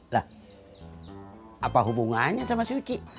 lah apa hubungannya sama si uci